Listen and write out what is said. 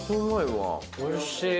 おいしい！